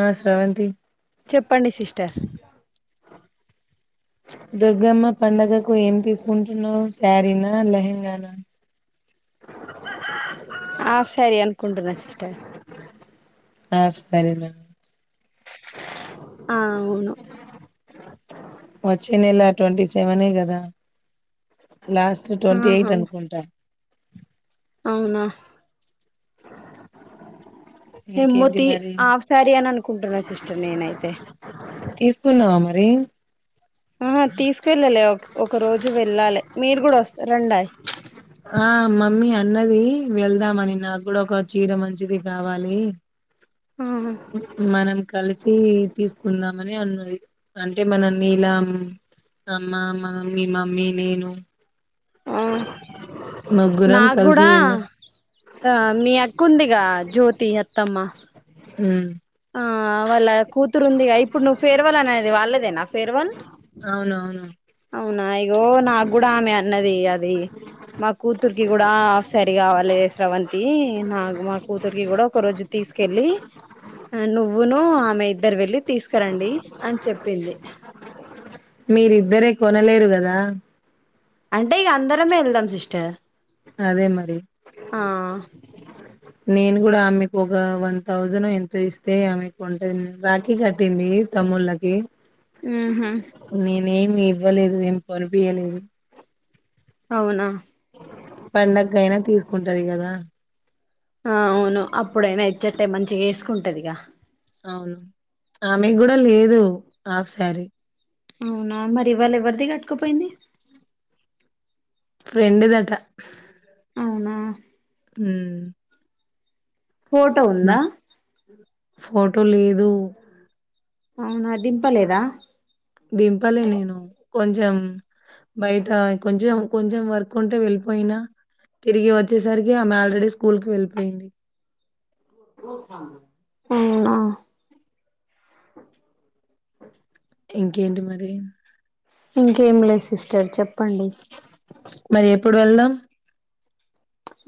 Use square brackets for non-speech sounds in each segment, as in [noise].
ఆ శ్రావంతి చెప్పండి సిస్టర్ దుర్గమ్మ పండగకు ఏం తీసుకుంటున్నావు శారీనా లెహెంగానా కుంటన సిస్టర్ ఆ సరే నన్ ఆ అవును వచ్చే నెల ట్వంటీ సెవెనే కదా లాస్ట్ ట్వంటీ ఎయిట్ అనుకుంట అవున ఇంకేంటి హెముతి మరి ఆఫ్ సారి అని అనుకుంటున్నా సిస్టర్ నేనైతే తీసుకున్నావ మరి ఆ తీసుకెళ్ళాలి ఒక రోజు వెళ్ళాలి మీరు కూడ ఆ మమ్మీ అన్నది వెళ్దామని నాకు కూడ ఒక చీర మంచిది కావాలి ఆహా మనం కలిసి తీసుకుందామని అన్నది అంటే మన నీలా అమ్మామ మీ మమ్మీ నేను ఆ ముగ్గురం నాకు కూడ కలిసి వెళ్ళాం ఆ మీ అక్క ఉందిగా జ్యో తి అత్తమ్మ హు ఆ వాళ్ళ కూతురు ఉంది ఇప్పుడు నువ్వు ఫేర్వల్ అనేది వాళ్ళదేన ఫేర్వల్ అవునవును అవునా ఇగో నాకు కూడ ఆమె అన్నది అది మా కూతుర్కి కూడ ఆఫ్ సారి కావాలి శ్రవ నాగు మా కూతురికి కూడ ఒక రోజు తీసుకెళ్ళి నువ్వును ఆమె ఇద్దరు వెళ్ళి తీసుకురండి అని చెప్పింది మీరిద్దరే కొనలేరు కద అంటే ఇక అందరమే వెళ్దాం సిస్టర్ అదే మరి ఆ నేను కూడ ఆమెకు ఒక వన్ థౌజండ్ ఎంత ఇస్తే ఆమెకుంటుంది రాఖీ కట్టింది తమ్ముళ్ళకి హుహు ఏమి ఇవ్వలేదు ఏం కొనిపియలేదు అవునా పండగ కైయిన తీసుకుంటది కదా చేసుకుంటదిగ అవును ఆమెకు కూడ లేదు హాఫ్ సారీ అవునా మరి ఇవాళ ఎవరిది కట్టుకపోయింది ఫ్రెండు దట అవునా మ్ ఫోటో ఉందా ఫోటో లేదు అవునా దింపలేదా దింపలే నేను కొంచెం బయట కొంచెం కొంచెం వర్క్ ఉంటే వెళ్ళిపోయినా తిరిగి వచ్చేసరికి ఆమె ఆల్రెడీ స్కూల్ కి వెళ్ళిపోయింది అవునా ఇంకేంటి మరి ఇంకేం లేదు సిస్టర్ చెప్పండి మరి ఎప్పుడు వెళ్దాం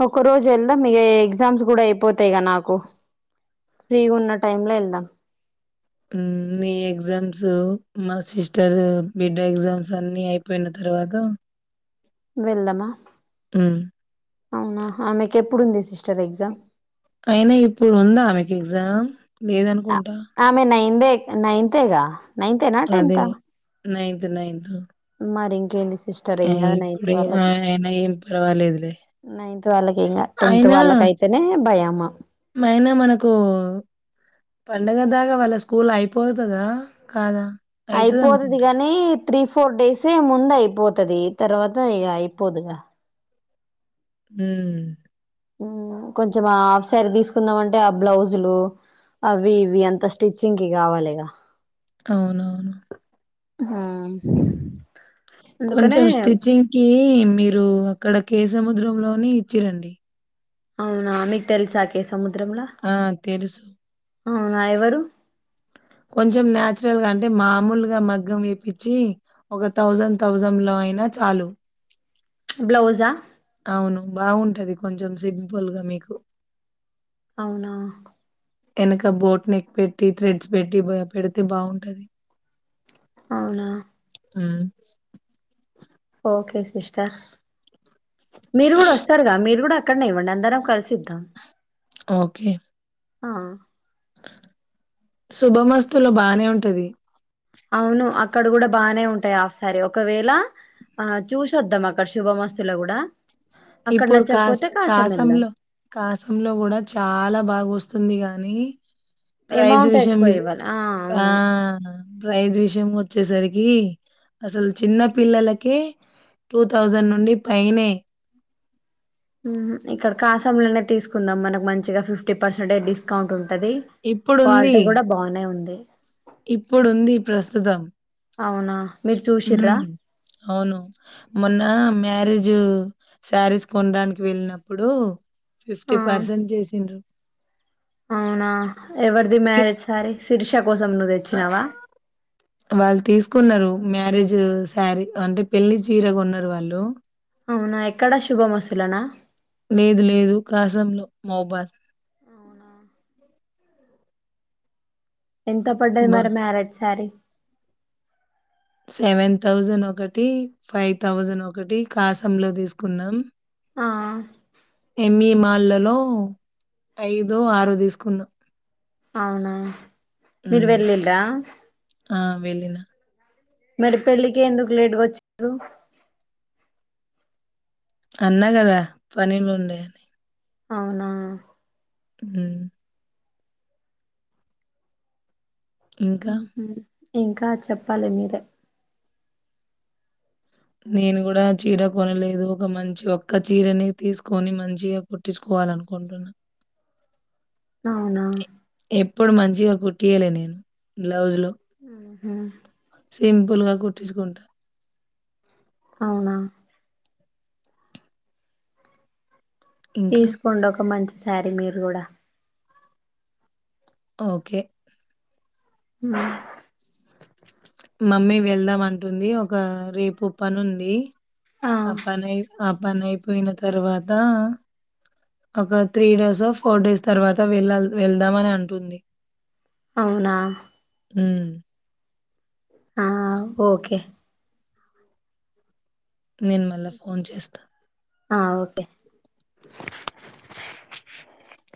ఒక రోజు ఎళ్దాం మీ ఇగ ఎగ్జామ్స్ కూడా అయిపోతాయి గా నాకు ఫ్రీగున్న టైమ్ లో వెళ్దాం మ్ నీ ఎగ్జామ్సు మా సిస్టర్ బిడ్డ ఎగ్జామ్స్ అన్ని అయిపోయిన త ర్వాగ వెళ్దామా అవునా ఆమెకు ఎప్పుడుంది సిస్టర్ ఎగ్జామ్ అయినా ఇప్పుడు ఉందా ఆమెకు ఎగ్జామ్ లేదనుకుంటా [unintelligible] నైన్తేగా నైన్తే నా టెన్తా నైంతు నైంతు మరి ఇంకేంటి ఆ ఇప్పుడె ఆ అయన ఏం పర్వాలేదులే నైన్త్ వాళ్ళకి ఇంగ టెన్త్ వాళ్ళకైతేనే భయము మైనే మనకు పండగ దాకా వాళ్ళ స్కూల్ అయిపోతదా కాదా అయిపోతది అయితదనుకుంటా. గాని త్రీ ఫోర్ డేసే ముందు అయిపోతది తర్వాత ఇగ అయిపోదుగా ఊ ఊ కొంచెం ఆ ఆఫ్సారి తీసుకుందాం అంటే ఆ బ్లౌజులు అవి ఇవి అంత స్విచ్చింగ్ కి కావాలిగా అవునవును. అహా కొంచెం స్టిచ్చింగ్ కి మీరు అక్కడ కే సముద్రం లోనే ఇచ్చిరండి అవునా మీకు తెలిసాకే ఆ తెలుసు అవునా ఎవరు కొంచెం నాచురల్ గా అంటే మామూలుగా మగ్గం వేపిచ్చి ఒగ థౌజండ్ థౌసండ్ లో అయినా చాలు బ్లౌజా అవును బాగుంటది కొంచెం సింపుల్గా మీకు అవునా ఎనక బోట్ నెక్ పెట్టి థ్రెడ్స్ పెట్టి పెడితే బావుంటది అవునా ఊమ్ ఓకే సిస్టర్ మీరు గూడా వస్తారుగా మీరు గుడా అక్కన్నే ఇవ్వండి అందరం కలిసిద్దం ఓకే ఆ శుభమస్తులో బానే ఉంటది అవును అక్కడ గూడా బానే ఉంటాయి ఆఫ్ శారి ఒకవేళ ఆ చూసొద్దాం అక్కడ శుభ మస్తులో గూడా ఇప్పుడు కాస కాసంలో కాసంలో గుడా చాలా బాగా వస్తుందిగా ని ప్రైజ్ అమౌంట్ విష ఎక్కువ ఇవ్వాలి ఆ ఆ అవును ప్రైజ్ విషయం వచ్చేసరికి అసలు చిన్న పిల్లలకే టూ థౌసండ్ నుండి పైనే హ్మ్ హు ఇక్కడ కాసాం లోనే తీసుకుందాం మనకు మంచిగా ఫిఫ్టీ పర్సెంట్ డిస్కౌంట్ ఉంటుంది అంటది క్వాలిటీ ఇప్పుడుంది. కూడా బానే ఉంది ఇప్పుడుంది అవునా మీరు చూసిర్రా ఉమ్ అవును మొన్న అవును మ్యారేజ్ జు శారీస్ కొనడానికి వెళ్ళినప్పుడు ఆ ఫిఫ్టీ పర్సెంట్ చేసిండ్రు అవునా ఎవరిది కి మ్యారేజ్ సారి శిరిష ఆ వాళ్ళు తీసుకున్నారు మ్యారేజ్ శారీ అంటే పెళ్లి చీర కొన్నారు వాళ్ళు అవునా ఎక్కడా శుభమస్తు లోన లేదు లేదు కాసంలో మహబూబబాద్ ఎంత పడ్డది బ మరి మ్యారేట్ శారీ సెవెన్ థౌజండ్ ఒకటి ఫైవ్ థౌజండ్ ఒకటి కాసం లో తీసుకున్నామ్ ఆ మ్ వి మాళ్ళలో ఐదో ఆరు తీసుకున్నాం అవునా మీరు హ్మ్. వెల్లిండ్రా ఆ! వెళ్ళిన. మరి పెళ్ళి కే ఎందుకు లేట్ వచ్చానారు అన్నా గదా పనులు ఉండేయని అవునా ఉమ్ ఇంకా హ్మ్ హు ఇంకా చెప్పాలి మీరే నేను కూడా చీర కొనలేదు ఒక మంచి ఒక్క చీరని తీసుకొని మంచిగా కుట్టించుకో వాల అనుకుంటున్నా అవునా ఇప్పుడు మంచిగా కుట్టియ్యాలే నేను బ్లౌజ్ లో ఊహు. సింపుల్ పులుగా కుట్టించుకుంటా అవునా ఇంకా తీసుకోండి ఒక మంచి శారీ మీరు కూడా ఓకే ఉమ్ మమ్మీ వెళ్దాం అంటుంది ఒక రేపు పని ఉంది ఆ పని అయి ఆ పని అయిపోయిన తర్వాత ఒక త్రీ డేస్ ఓ ఫోర్ డేస్ తర్వాత త వెళ వెళ్దామని అంటుంది అవునా మ్ ఆ ఓకే నేను మళ్ళా ఫోన్ చేస్తా ఆ ఓకే [inaudible]